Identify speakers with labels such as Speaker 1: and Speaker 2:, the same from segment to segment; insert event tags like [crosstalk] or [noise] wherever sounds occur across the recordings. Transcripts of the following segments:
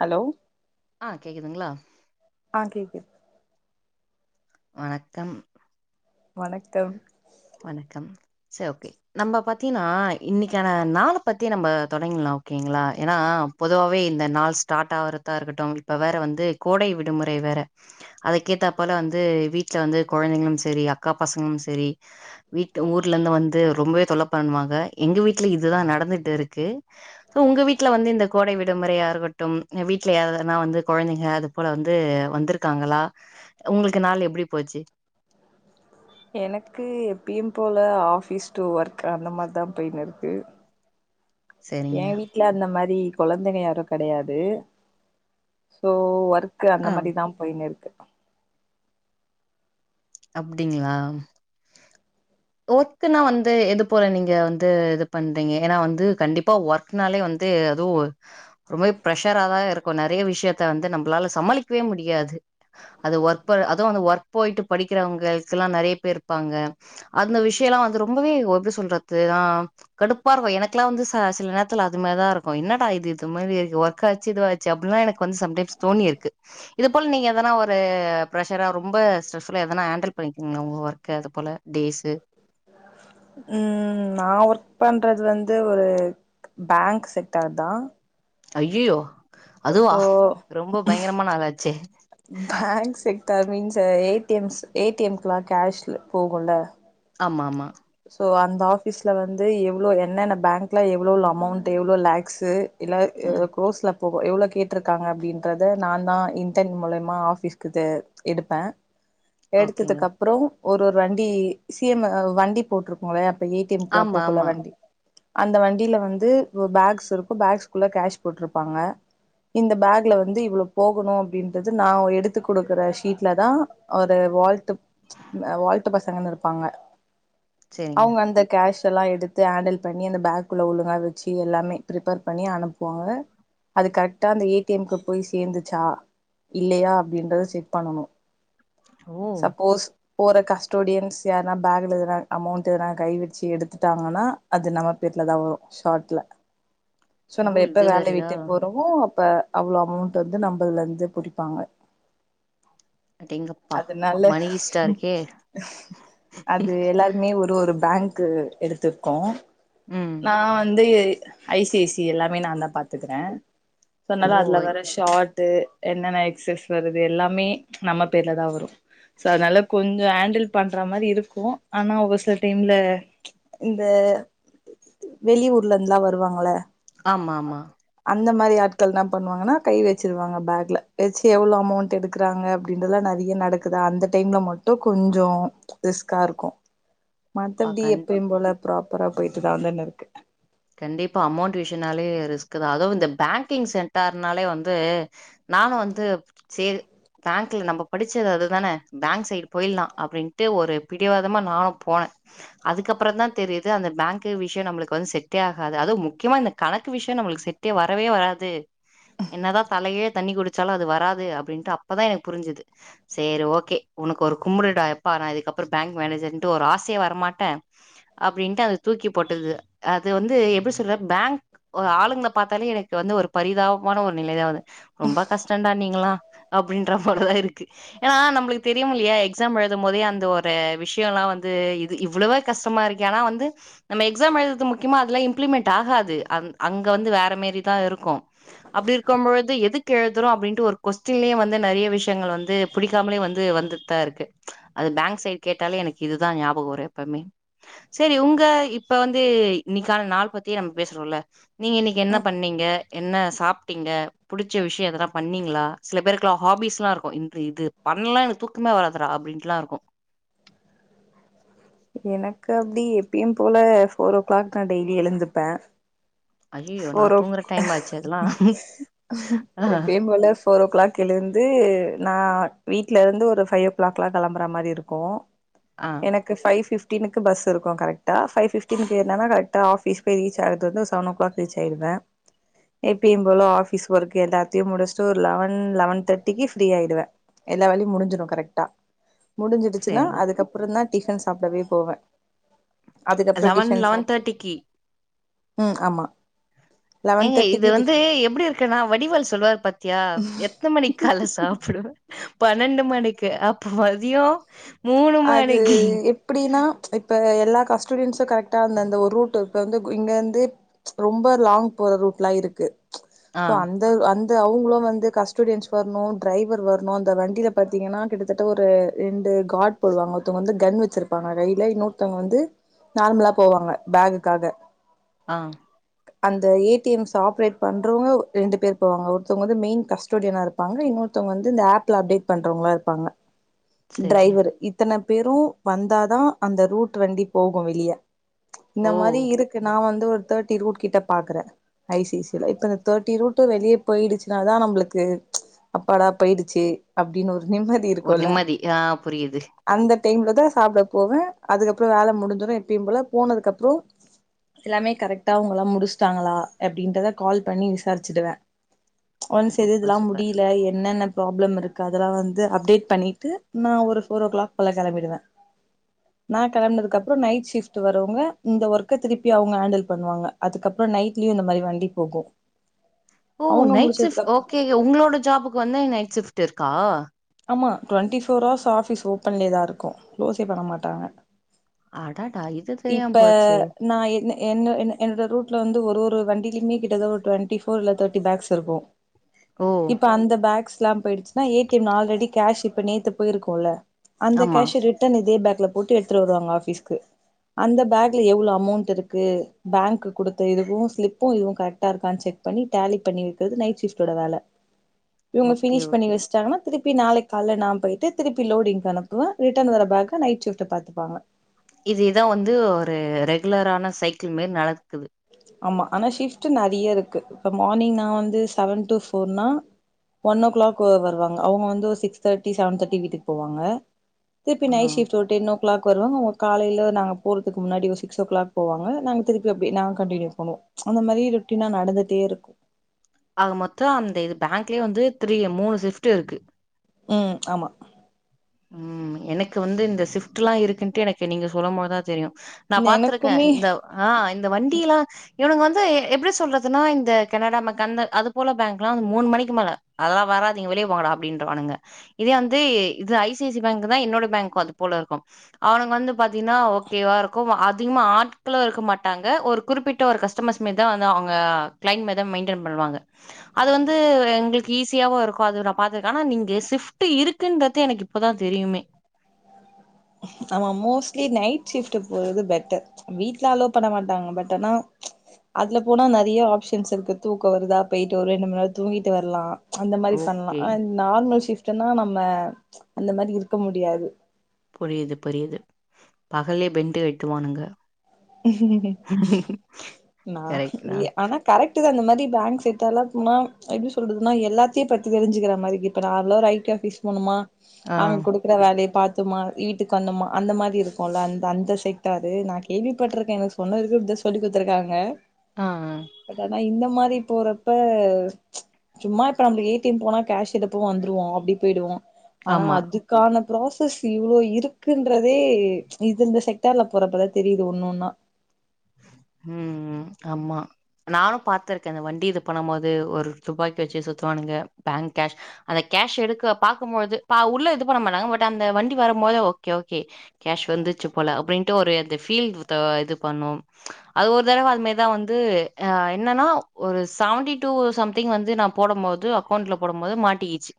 Speaker 1: Hello
Speaker 2: ஆ கேக்குதுங்ளா
Speaker 1: ஆ கேக்து
Speaker 2: வணக்கம்
Speaker 1: வணக்கம்
Speaker 2: வணக்கம் சேர் ஓகே நம்ம பாத்தீன்னா இன்னைக்கான நாள பத்தி நம்ம தொடங்லா ஓகேங்ளா ஏன்னா பொதுவாவே இந்த நாள் ஸ்டாட் ஆவறதா இருக்கட்டு இப்ப வேற வந்து கோடை விடுமுறை வேற அதுக்கேத்தாப்பல வந்து வீட்ல வந்து கொழந்தைங்களு செரி அக்கா பசங்களு செரி வீட்டு் ஊர்லந்து வந்து ரொம்பவே தொல்ல பண்வாங்க எங்க வீட்ல இதுதா நடந்துட் இருக்கு சோ உங்க வீட்ல வந்து இந்த கோடை விடுமுறையா இருக்கட்டும் வீட்ல யாரதனா வந்து கொழந்தைங்க அது போல வந்து வந்திருக்காங்களா உங்களுக்கு நாள் எப்டி போச்சி
Speaker 1: எனக்கு எப்பியு போல ஆஃபீஸ் டு ஒர்க் அந்த மாரி தா போய்னு இருக்கு ஏ
Speaker 2: சரிங்க
Speaker 1: வீட்ல அந்த மாரி கொழந்தைங்க யாரு கெடையாது சோ ஒர் க்கு அந்த
Speaker 2: ஆ
Speaker 1: மாரி தா போய்னு இருக்கு
Speaker 2: அப்டிங்ளா ஒர்க்குனா வந்து எது போல நீங்க வந்து இது பண்றீங்க ஏனா வந்து கண்டிப்பா ஒர்க் னாலே வந்து அதுவு ஒரு மாரி பிரஷரா தா இருக்கு நெறைய விஷ்யத்த வந்து நம்பளால சமாளிக்கவே முடியாது அது ஒர்க் ப அதுவு அந்து ஒர்க் போய்ட்டு படிக்கிறவங்களுக் கெல்லா நெறைய பேர் இருப்பாங்க அந்த விஷ்ய எல்லா வந்து ரொம்பவே ஒ எப்டி சொல்றது ஆ கடுப்பா இருக்கு எனக்ல்லா வந்து ச சில நேரத்துல அது மாரி தா இருக்கு என்னடா இது இது மாரி ஒர் காச்சு இது வாச்சு அப்டின்ல்லா எனக் வந்து சம்டைம்ஸ் தோணிருக்கு இது போல நீங்க எதனா ஒரு பிரஷரா ரொம்ப ஸ்டிரஸ் புறோ எதனா ஹண்டல் பண்ணிருக்கீங்ளா உங்க ஒர்க்க அது போல டேஸ்சு
Speaker 1: ம் நா ஒர்க் பண்றது வந்து ஒரு பேங்க்‌ செக்டார் தா
Speaker 2: அய்யயோ அதுவா
Speaker 1: சோ
Speaker 2: ரொம்ப பயங்கரமான ஆளாச்சே
Speaker 1: பேங்க் செக்டார் மீன்ஸ் அ ஏடி எம்ஸ் ஏடி எம் க்லா கேஷ்ல போகுல்ல
Speaker 2: ஆமா ஆமா
Speaker 1: சோ அந்த ஆஃபீஸ்ல வந்து எவ்ளோ என்னன்ன பேங்க்ல எவ்ளோ எவ்ளோ அமோன்ட்டு எவ்ளோ லேக்ஸ்சு இல்ல எ
Speaker 2: ம்
Speaker 1: குரோஸ்ல போ எவ்ளோ கேட்ருக்காங்க அப்டின்றத நா தா இன்டன் மூலமா ஆஃபீஸ்கு தே எடுப்பே
Speaker 2: ஓகேங்க
Speaker 1: எடுத்ததுக்கு அப்றோ ஒரு ஒரு வண்டி சிம் அ வண்டி போட்ரு உங்கள அப்ப ஏ டி எம் க்லா
Speaker 2: ஆமா
Speaker 1: போக்குள்ள
Speaker 2: ஆமா
Speaker 1: வண்டி அந்த வண்டில வந்து பேக்ஸ் இருக்கு பேக்ஸ்குள்ள கேஷ் போட்ருப்பாங்க இந்த பேக்ல வந்து இவ்ளோ போகனு அப்டின்றது நா எடுத்து குடுக்குற ஷீட்ல தா ஒரு வாழ்ட்டு அ வாழ்ட்டு பசங்கன் இருப்பாங்க
Speaker 2: சேரிங்க
Speaker 1: அவுங்க அந்த கேஷ் ஷலா எடுத்து ஹேண்டில் பண்ணி அந்த பேக்குள்ள ஒழுங்கா வச்சி எல்லாமே பிரிப்பேர் பண்ணி அனுப்புவாக அது கரெக்டா அந்த ஏ டி எம் கு போய் சேந்துச்சா இல்லையா அப்டின்றத செக் பண்ணணு
Speaker 2: ஓ
Speaker 1: சப்போஸ் போற கஸ்டோடியன்ஸ் யார்னா பேகுல எதுனா அமௌண்ட் எதனா கை வச்சி எடுத்துட்டாங்கனா அது நம்ம பேர்லதா வரு ஷாட்ல சோ நம்ம
Speaker 2: ஓ
Speaker 1: எப்ப
Speaker 2: இது
Speaker 1: வேலை
Speaker 2: வேறயா
Speaker 1: விட்டு போறோமோ அப்ப அவ்ளோ அமௌண்ட் வந்து நம்மதுல இருந்து புடிப்பாங்க
Speaker 2: அடேங்கப்பா
Speaker 1: அதுனால
Speaker 2: மணி ஈஸ்டா இருக்கே
Speaker 1: அது எல்லாரு மே ஒரு ஒரு பேங்க்கு எடுத்துருக்கோ
Speaker 2: ம்
Speaker 1: நா வந்து ஐசி ஐசி எல்லாமே நாந்தா பாத்துக்குறே சோனால
Speaker 2: ஓ
Speaker 1: அதுல வர ஷாட் து என்னென ஆக்சஸ் வருது எல்லாமே நம்ம பேர்லதா வரு சோ அதுனால கொஞ்சோ ஏண்டில் பண்ற மாரி இருக்கு ஆனா ஒரு சில டைம்ல இந்த வெளியூர்ல இருந்துலா வருவாங்கல
Speaker 2: ஆமாமா
Speaker 1: அந்த மாரி ஆட்கள் என்ன பண்ணுவாங்கனா கை வச்சிருவாங்க பேக்ல வச்சி எவ்வளோ அமௌண்ட் எடுக் குறாங்க அப்டின்றதுலா நெறைய நடக்குதா அந்த டைம்ல மட்டு கொஞ்சோ ரிஸ்கா இருக்கு
Speaker 2: பா
Speaker 1: மத்தபடி
Speaker 2: கண்
Speaker 1: எப்பயு போல ப்ராப்பரா போயிட்டுதா வந்துனு இருக்கு
Speaker 2: கண்டிப்பா அமௌண்ட் விஷயொனாலே ரிஸ்க்குதா அதுவு இந்த பேங்கிங் சென்டார்னாலே வந்து நானு வந்து சேவி பேங்க்ல நம்ம படிச்சது அதுதான பேங்க் சைடு போயில்லா அப்டின்ட்டு ஒரு பிடிவாதமா நானு போனே அதுக்கப்றோந்தா தெரியுது அந்த பேங்க்கு விஷயோ நம்ளுக்கு வந்து செட் டே ஆகாது அதுவு முக்யமா இந்த கணக்கு விஷயோ நம்மளுக்கு செட்டே வரவே வராது என்னதா தலையே தண்ணி குடிச்சாலு அது வராது அப்டின்ட்டு அப்பதா ‌எனக்கு புரிஞ்சது சேரி ஓகே உனக் ஒரு கும்புடுடா எப்பா நா இதுக்கப்றோ பேங்க் மேனேஜர்ன்டு ஒரு ஆசையே வரமாட்ட அப்டின்ட்டு அத தூக்கி போட்டது அ அது வந்து எப்டி சொல்ற பேங்க் ஆளுங்ள பாத்தாலே எனக்கு வந்து ஒரு பரிதாபமான ஒரு நிலைதாவது ரொம்ப கஷ்டோன்டா நீங்களா அப்டின்ற போலதா இருக்கு ஏனா நம்ளுக்கு தெரியுமில்லையா எக் ஸாம் எழுதும்போதே அந்த ஒரு விஷயோல்லா வந்து இது இவ்ளவா கஷ்டமா இருக்கு ஏனா வந்து நம்ம எக்ஸாம் எழுதுறது முக்கியமா அதலா இம்ப்ளிமெண்ட் ஆகாது அந் அங்க வந்து வேற மாரிதா இருக்கு அப்டி இருக்கம்பொழுது எதுக்கு எழுதுறோ அப்டின்ட்டு ஒரு கொஸ்டின்லயே வந்து நெறைய விஷயங்கள் வந்து பிடிக்காமலே வந்து வந்து தா இருக்கு அது பேங்க் சைட் கேட்டாலே எனக்கு இதுதா ஞாபகோ வரு எப்பவுமே செரி உங்க இப்ப வந்து இன்னைக்கான நாள் பத்தியே நம்ம பேசுறோல நீங்க இன்னைக்கி என்ன பண்ணீங்க என்ன சாப்டீங்க புடிச்ச விஷயோ எதனா பண்ணீங்களா சில பேருக்குலா ஹாபிஸ்லா இருக்கு இன்று இது பண்லனா எனக்கு தூக் கமே வராதுடா அப்டின்ட்லா இருக்கு
Speaker 1: எனக்கு அப்டி எப்பயும்போல ஃபோரோ கிளாக் நா டெய்லி எழுந்துப்பே
Speaker 2: ஐயயோ நா
Speaker 1: ஃபோரோக்
Speaker 2: தூங்குற டைம் ஆச்சு அதெல்லா
Speaker 1: எப்பயும் போல ஃபோரோ கிளாக் எழுந்து நா வீட்லருந்து ஒரு ஃபைவ் ஓ கிளாக்லா கெளம்புற மாரி இருக்கு
Speaker 2: ஆ
Speaker 1: எனக் கு ஃபைவ் ஃபிஃப்டீனுக்கு பஸ் இருக்கு கரெக்டா ஃபைவ் ஃபிஃப்டீனுக்கு ஏறுனாதா கரெக்டா ஆபிஸ் போய் ரீச் ஆகுறது வந்து ஒரு சவன் ஓ கிளாக் ரீச் ஆயிடுவே எப்பயும் போல ஆபிஸ் ஒர்க்கு எல்லாத்தையு முடிச்ட்டு ஒரு லெவன் லெவன் தேட்டிக்கி ஃப்ரீ ஆயிடுவே எல்லா வேலையு முடிஞ்சிடு கரெக்டா முடிஞ்சிடுச்சினா
Speaker 2: சரிங்க
Speaker 1: அதுக்கப்றோந்தா டிஃபன் சாப்டவே போவே அதுக்கப்றோ
Speaker 2: லெவன்
Speaker 1: டிஃபன்
Speaker 2: லெவன்
Speaker 1: சாப்ட்டு
Speaker 2: தேர்ட்டிக்கு
Speaker 1: ம் ஆமா லெவன்
Speaker 2: ஏங்க இது
Speaker 1: தேர்ட்டிக்கு
Speaker 2: வந்து
Speaker 1: டிஃப
Speaker 2: எப்டி இருக்குன்னா வடிவேலு சொல்வாரு பாத்தியா எத்தன மணிக்கு கால்ல சாப்டுவ பன்னெண்டு மணிக்கு அப்ப மதியோ
Speaker 1: அது எப் எப்டின்னா எல்லா கன்ஸ்டெண்ட்ஸும் கரெக்ட்டா அந்த அந்த ஒரு ரூட் இப்ப வந்து இங்கிருந்து ரொம்ப லாங் போற ரூட்லா இருக்கு
Speaker 2: ஆ
Speaker 1: சோ அந் அ அந்த அவங்களு வந்து கஸ்டோடியன்ஸ் வரணு டிரைவர் வரணு அந்த வண்டியில பாத்தீங்கன்னா கிட்டத்தட்ட ஒரு ரெண்டு காட் போடுவாங்க ஒருத்தவங்க வந்து கன் வச்சிருப்பாங்க கையில இன்னொத்தவங்க வந்து நார்மலா போவாங்க பேகுக்காக
Speaker 2: ஆ
Speaker 1: அந்த ஏ டி எம் ஸ் ஆப்ரேட் பண்றவங்க ரெண்டு பேர் போவாங்க ஒருத்தவங்க வந்து மெயின் கஸ்டோடியனா இருப் பாங்க இன்னொத்தவங்க வந்து இந்த ஆப்ல அப்டேட் பண்றவங்களா இருப்பாங்க
Speaker 2: சரிங்க
Speaker 1: டிரைவரு இத்தன பேரு வந்தாதா அந்த ரூட் வண்டி போகு வெளிய இந்த
Speaker 2: ஓ
Speaker 1: மாரி இருக்கு நா வந்து ஒரு தேட்டி ரூட் கிட்ட பாக்குறே ஐ சி சி சில இப்ப இந்த தேட்டி ரூட்டு வெளியே போயிடுச்சுன்னாதா நம்மளுக்கு அப்பாடா போயிடுச்சு அப்டின்னு ஒரு நிம்மதி
Speaker 2: ஒரு
Speaker 1: இருக்குல்ல
Speaker 2: நிம்மதி ஆ புரியுது
Speaker 1: அந்த டைம்ல தா சாப்ட போவே அதுக்கப்றோ வேல முடிஞ்சுரு எப்பயு போல போனதுக்கு அப்றோ எல்லாமே கரெக்டா அவங்களா முடிசிட்டாங்களா அப்டின்றத கால் பண்ணி விசாரிச்சுடுவே ஒன்ஸ் இது
Speaker 2: சூப்பர்
Speaker 1: இதெல்லா
Speaker 2: சூப்பர்
Speaker 1: முடியல என்னென்ன ப்ராப்ளம் இருக்கு அதெல்லா வந்து அப்டேட் பண்ணிட்டு நா ஒரு ஃபோர் ஓ கிளாக் போல கெளம்பிடுவே நா கெளம்பனதுக்கு
Speaker 2: ம்.
Speaker 1: அப்றோ நைட் ஷிப்ட் ட்டு வரவங்க இந்த ஒர்க்க திருப்பி அவங்க ஹேண்டில் பண்ணுவாங்க அதுக்கப்றோ நைட்லயு இந்த மாரி வண்டி போகு
Speaker 2: ஓ
Speaker 1: அவங்க
Speaker 2: நைட் சிப்ட்
Speaker 1: முடிச்சதுக்கு அப்
Speaker 2: ஓகே ஒங்களோட ஜாபுக்கு வந்து நைட் சிப்ட் இருக்கா
Speaker 1: ஆமா டுவெண்ட்டி ஃபோர் ஹவர்ஸ் ஆஃபீஸ் ஓப்பன்லே தா இருக்கு க்ளோஸே பண்ண மாட்டாங்க
Speaker 2: அடடா இ
Speaker 1: இப்ப நா என்ன என்ன என்னோட ரூட்ல வந்து ஒரு ஒரு வண்டிலையுமே கிட்டத ஒரு டுவெண்ட்டி ஃபோர் இல்ல தேர்ட்டி பேக்ஸ் இருக்கு
Speaker 2: ஓ
Speaker 1: இப்ப அந்த பேக்ஸ்ல்லா போயிடுச்சுன்னா ஏ டி எம்ல ஆல்ரெடி கேஷ் இப்ப நேத்து போயிருக்கும்ல்ல அந்த
Speaker 2: ஆமா
Speaker 1: கேஷ்ச ரிட்டர்ன் இதே பேக்ல போட்டு எடுத்துட் வருவாங்க ஆபீஸ்கு அந்த பேக்ல எவ்ளோ அமௌண்ட் இருக்கு பேங்க் குடுத்த இதுவு ஸ்லிப்பு இதுவு கரெக்டா இருக்கான்னு செக் பண்ணி டேலி பண்ணி வைக்கிறது நைட் ஷிப்டோட வேல இவுங்க
Speaker 2: ஓகே
Speaker 1: ஃபினிஷ் பண்ணி
Speaker 2: ஓகே
Speaker 1: வச்சிட்டாங்கனா திருப்பி நாளைக் காலைல நா போயிட்டு திருப்பி லோடிங்கு அனுப்புவே ரிட்டன் வர பேக நைட் ஷிப்டு பாத்துப்பாங்க
Speaker 2: இதேதா வந்து ஒரு ரெகுலரான சைக்கிள் மாரி நடக்குது
Speaker 1: ஆமா ஆனா ஷிஃப்ட் நெறைய இருக்கு இப்போ மார்னிங் நா வந்து செவன் டு ஃபோர்னா ஒன் ஓ கிளாக் வருவாங்க அவுங்க வந்து ஒரு சிக்ஸ் தேர்ட்டி செவன் தேர்ட்டி வீட்டுக்கு போவாங்க திருப்பி
Speaker 2: ஆ
Speaker 1: night shift [unintelligible] ten o'clock வருவாங்க அவுங்க காலையில நாங்க போறதுக்கு முன்னாடி ஒரு சிக்ஸ் ஓ கிளாக் போவாங்க நாங்க திருப்பி அப்டி நாங் கண்டினியூ பண்ணுவோ அந்த மாரி ரேட்டினா நடந்துட்டே இருக்கு
Speaker 2: ஆக மொத்தோ அந்த இது பேங்க்லேயே வந்து த்ரீ மூணு ஷிப்ட் இருக்கு
Speaker 1: ம் ஆமா
Speaker 2: ம் எனக்கு வந்து இந்த சிஃப்ட் எல்லா இருக்குன்ட்டு எனக்கு நீங்க சொல்லும்போதுதா தெரியு நா பாத்திருக்கே
Speaker 1: எனக்குமே
Speaker 2: இந்த ஆ இந்த வண்டியல்லா இவனுங்க வந்து எப்டி சொல்றதுன்னா இந்த கனடா மக் அந்த அதுபோல பேங்க் எல்லா மூணு மணிக்கு மேல அதெல்லா வராதிங்க வெளியே போங்கடா அப்டின்றவானுங்க இதே வந்து இது I C I C I bank தா என்னோட பேங்கு அது போல இருக்கு அவனுங்க வந்து பாத்தீங்கன்னா ஓகேவா இருக்கு அதிகமா ஆட்களு இருக்க மாட்டாங்க ஒரு குறிப்பிட்ட ஒரு கஸ்டமர்ஸுமே தா அவுங்க கிளைண்ட் மெதம் மெயின்டென் பண்ணுவாங்க அது வந்து எங்களுக்கு ஈஸியாவு இருக்கு அது நா பாத்ருக்கே ஆனா நீங்க ஷிப்ட்டு இருக்குன்ற து எனக்கு இப்பதா தெரியுமே
Speaker 1: ஆமா மோஸ்ட்லி நைட் ஷிப்ட்டு போறது பெட்டர் வீட்ல அலோவ் பண்ண மாட்டாங்க பட் ஆனா அதுல போனா நெறைய ஆப்ஷன்ஸ் இருக்கு தூக்க வருதா போயிட்டு ஒரு ரெண்டு மண்நேர தூங்கிட்டு வர்லா அந்த மாரி பண்லா
Speaker 2: ஓகே
Speaker 1: ஆ நார்மல் ஷிப்ட்டுன்னா நம்ம அந்த மாரி இருக்க முடியாது
Speaker 2: புரியிது புரியிது பகல்லே பென்ட்டு கயிட்டுவானுங்க
Speaker 1: நா
Speaker 2: கரெக்ட்
Speaker 1: நீ
Speaker 2: தான்.
Speaker 1: ஆனா கரெக்ட்டுதா அந்த மாரி பேங்க் செட்டார்லா போனா எப்டி சொல்றதுன்னா எல்லாத்தையு பத்தி தெரிஞ்சுக்கற மாரி இப்போ நான்லா ஒரு ஐக்க ஃபீஸ் போனோமா
Speaker 2: ஆ
Speaker 1: அங்க கொடு இருக்கிற வேலைய பாத்தோமா வீட்டுக்கு வந்தோமா அந்த மாரி இருக்கும்ல அந்த அந்த செக்டாரு நா கேள்வி பட்ருக்கே எனக்கு சொன்னதுக்கு இப்டிதா சொல்லிக் குடுத்துருக்காங்க
Speaker 2: ஆ ஆ
Speaker 1: பட் ஆனா இந்த மாரி போறப்ப சும்மா இப்ப நம்மளுக்கு ஏ டி எம் போனா கேஷ் எடுப்போ வந்துருவோ அப்டி போயிடுவோ ஆனா
Speaker 2: ஆமா.
Speaker 1: அதுக் கான ப்ராசஸ் இவ்ளோ இருக்குன்றதே இது இந்த செக்டார்ல போறப்பதா தெரியு இது ஒன்னொன்னா
Speaker 2: ம் ம் ஆமா நானு பாத்துருக்கே இந்த வண்டி இது பண்ணும்போது ஒரு தூப்பாக்கி வச்சு சுத்துவானுங்க பேங்க் கேஷ் அந்த கேஷ் எடுக்க பாக்கும்பொழுது பாக் உள்ள இது பண்ண மாட்டாங்க பட் அந்த வண்டி வரம்போது ஓகே ஓகே கேஷ் வந்துச்சு போல அப்டின்ட்டு ஒரு அந்த ஃபீல் த இது பண்ணு அது ஒரு தடவ அதுமாரி தா வந்து என்னன்னா ஒரு செவன்டி டூ சம்திங் வந்து நா போடும் போது அக்கௌண்ட்ல போடும் போது மாட்டிக்கிச்சு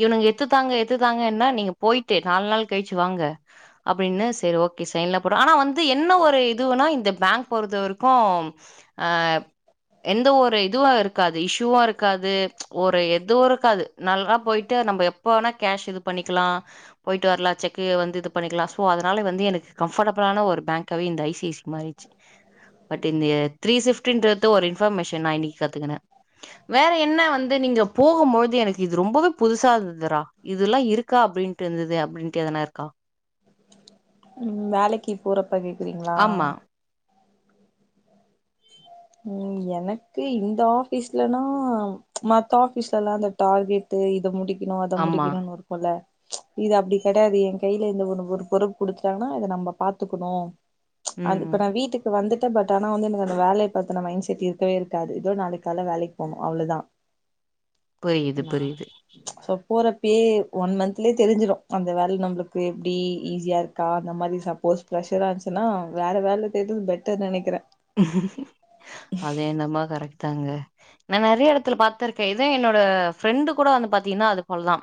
Speaker 2: இவனுங்க எத்துத்தாங்க எத்துத்தாங்கன்னா நீங்க போயிட்டு நாலு நாள் கழிச்சு வாங்க அப்டின்னு சேரி ஓகே சைன்லா போட்றோ ஆனா வந்து என்ன ஒரு இதுவுன்னா இந்த பேங்க் பொறுத்த வரைக்கு ஆ எந்த ஒரு இதுவு இருக்காது இஷ்யூவு இருக்காது ஒரு எதுவு இருக்காது நல்லா போயிட்டு நம்ப எப்போ வேணா கேஷ் இது பண்ணிக்கலா போயிட்டு வர்லா செக்கு வந்து இது பண்ணிக்கலா ஸோ அதனால வந்து எனக்கு கம்ஃபர்டபிளான ஒரு பேங்காவே இந்த ஐ சி ஐ சி மாறிச்சு பட் இந்த த்ரீ ஃபிஃப்டின்றது ஒரு இன்ஃபர்மேஷன் நா இன்னைக்கு கத்துக்குன வேற என்ன வந்து நீங்க போகும் பொழுது எனக்கு இது ரொம்பவே புதுசா இருந்ததுரா இதுல்லா இருக்கா அப்டின்ட்டு இருந்தது அப்டின்ட்டு எதனா இருக்கா
Speaker 1: ம் வேலைக்கு போறப்ப கேக்குறீங்களா
Speaker 2: ஆமா
Speaker 1: ம் எனக்கு இந்த ஆஃபீஸ்லனா மத்த ஆஃபீஸ்லல்லா இந்த டார்கெட்டு இத முடி க்கணு அத
Speaker 2: ஆமா
Speaker 1: முடிக்கணும்னு இருக்குல இது அப்டி கெடையாது ஏ கையில இந்த ஒன்னு ஒரு பொறுப்பு குடுத்துட்டாங்கன்னா இத நம்ப பாத்துக்கணு
Speaker 2: ம்
Speaker 1: அது
Speaker 2: ம்.
Speaker 1: இப்ப நா வீட்டுக்கு வந்துட்ட பட் ஆனா வந்து எனக்கு அந்த வேல பத்தன மைண்ட் செட் இருக்கவே இருக்காது இதோ நாளைக்கு காலைல வேலைக்கு போணு அவ்ளோதா
Speaker 2: புரியுது
Speaker 1: நா
Speaker 2: புரியுது
Speaker 1: சோ போறப்பேயே ஒன் மந்த்லயே தெரிஞ்சிரு அந்த வேல நம்மளுக்கு எப்டி ஈஸியா இருக் க்கா அந்த மாரி சப்போஸ் ப்ரெஷரா இருந்துச்சுன்னா வேற வேல தேட்றது பெட்டர்னு நெனைக்கிற
Speaker 2: அது என்னமோ கரெக்ட் கரெக்ட்தாங்க நா நறைய எடத்துல பாத்திருக்கே இதே என்னோட ஃப்ரெண்டு கூட வந்து பாத்தீனா அது போலதா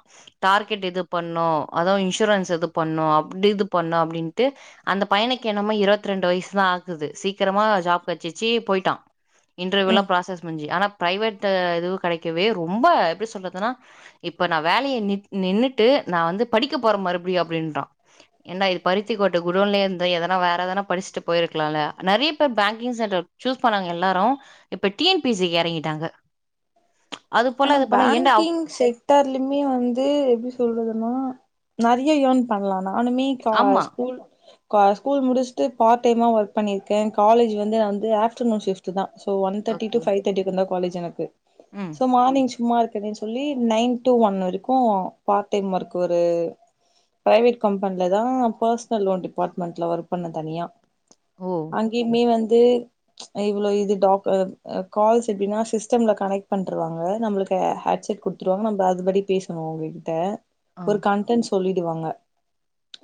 Speaker 2: டார்கேட் இது பண்ணு அதுவு இன்சூரன்ஸ் இது பண்ணு அப்டி இது பண்ணு அப்டின்ட்டு அந்த பையனுக்கு என்னமே இருவத் ரெண்டு வய்சு தா ஆகுது சீக்கரமா ஜாப் கெடச்சிருச்சு போயிட்டா
Speaker 1: ம்
Speaker 2: இன்டர்வியூலா ப்ராசஸ் முஞ்சு ஆனா பிரைவேட் இதுவு கெடைக்கவே ரொம்ப எப்டி சொல்றதுன்னா இப்ப நா வேலைய நின் நின்னுட்டு நா வந்து படிக்க போறே மறுபடியு அப்டின்றா ஏன்டா இது பருத்தி கொட்ட குடோன்லே இருந்தா எதனா வேற எதனா படிச்சுட்டு போயிருக்லால்ல நறைய பேர் பேங்க் [unintelligible] செக்டார் சூஸ் பண்ணாங்க எல்லாரு இப்ப டிஎன் பிசிக்கு எறங்கிட்டாங்க அது போல இது பண்ணு ஏன்டா
Speaker 1: செக்டார்லிமே வந்து எப்டி சொல்றதுன்னா நறைய ஏர்ன் பண்லா நானுமே தா
Speaker 2: ஆமா
Speaker 1: ஸ்கூல் கா ஸ்கூல் முடிச்சுட்டு பார்ட் டைமா ஒர்க் பண்ணிருக்கே காலேஜ் வந்து நா வந்து ஆஃப்டர்நூன் ஷிஃப்ட் ட்டு தா so one thirty
Speaker 2: okay
Speaker 1: two five thirty இக்கு தா காலஜ் எனக்கு
Speaker 2: ம்
Speaker 1: சோ மார்னிங் சும்மா இருக்கேன்னு சொல்லி நைன் டூ ஒன் வரைக்கு பார்ட் டைம் ஒர்க் ஒரு பிர்வேட் கம்பெனில தா பேர்ஸ்னல் லோன் டிபார்ட்மெண்ட்ல ஒர்க் பண்ண தனியா
Speaker 2: ஓ
Speaker 1: அங்கியுமே வந்து இவ்ளோ இது டா அ கால்ஸ் எப்டின்னா சிஸ்டம்ல கனெக்ட் பண்ருவாங்க நம்ளுக்கு ஹேட் செட் குடுத்துருவாங்க நம்ம அதுபடி பேசணு அவுங்ககிட்ட
Speaker 2: ஆ
Speaker 1: ஒரு கன்டென்ட் சொல்லிடுவாங்க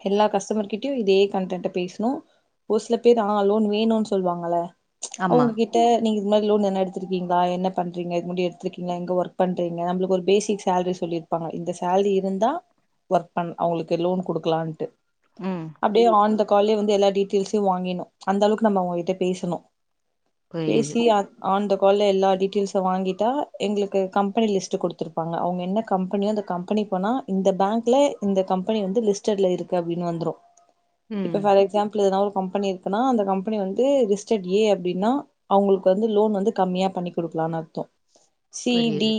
Speaker 1: எல்லா கஸ்டமர்கிட்டயு இதே கன்டென்ட்ட பேசணு ஒரு சில பேர் ஆ லோன் வேணுன் சொல்வாங்கல்ல
Speaker 2: ஆமா
Speaker 1: அவுங்ககிட்ட நீங்க இது மாரி லோன் எதனா எடுத்துருக்கீங்களா என்ன பண்றீங்க முடி எடுத்துருக்கீங்க எங்க ஒர்க் பண்றீங்க நம்ளுக்கு ஒரு பேசிக் சேல்ரி சொல்லிருப்பாங்க இந்த சேல்ரி இருந்தா ஒர்க் பண் அவுங்களுக்கு லோன் குடுக்குலான்ட்டு
Speaker 2: ம்
Speaker 1: அப்டியே ஆன் த கால்லே வந்து எல்லா டீட்டெயில்ஸையு வாங்கின்னு அந்த அளவுக்கு நம்ப அவுங்ககிட்ட பேசணு
Speaker 2: புரியுது
Speaker 1: பேசி ஆன் கால்ல எல்லா டீடைல்ஸ வாங்கிட் டா எங்களுக்கு கம்பெனி லிஸ்ட் குடுத்துருப்பாங்க அவங்க என்ன கம்பெனியோ அந்த கம்பெனிக் போனா இந்த பேங்க்ல இந்த கம்பெனி வந்து லிஸ்டர்ட்ல இருக்கு அப்டின்னு வந்துரு இப்ப
Speaker 2: ம்
Speaker 1: ஃபார் எக்ஸாம்பிள் எதனா ஒரு ஒரு கம்பனி இருக்குனா அந்த கம்பெனி வந்து லிஸ்டர்ட்டு ஏ அப்டின்னா அவுங்குளுக்கு வந்து லோன் வந்து கம்மியா பண்ணி குடுக்லான் அர்த்தோ
Speaker 2: புரியுது
Speaker 1: சிடி